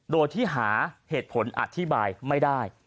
โดยที่หาเหตุผลอธิบายไม่ได้